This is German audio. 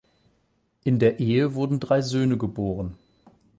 In der Ehe wurden drei Söhne geboren.